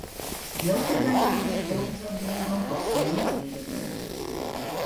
Белки гонялись друг за другом по всему дереву.